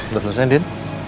udah selesai din